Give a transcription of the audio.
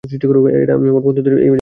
এই, আমি বন্ধুর একটা ঝামেলা মেটাচ্ছি।